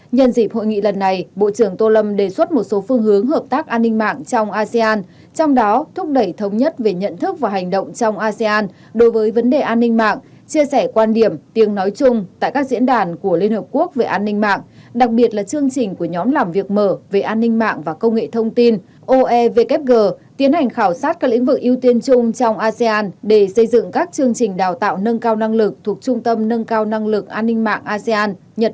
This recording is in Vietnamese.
nhân dịp hội nghị lần này bộ trưởng tô lâm đề xuất một số phương hướng hợp tác an ninh mạng trong asean trong đó thúc đẩy thống nhất về nhận thức và hành động trong asean đối với vấn đề an ninh mạng chia sẻ quan điểm tiếng nói chung tại các diễn đàn của liên hợp quốc về an ninh mạng đặc biệt là chương trình của nhóm làm việc mở về an ninh mạng và công nghệ thông tin oewg tiến hành khảo sát các lĩnh vực ưu tiên chung trong asean để xây dựng các chương trình đào tạo nâng cao năng lực thuộc trung tâm nâng cao năng lực an ninh m